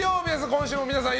今週も皆さん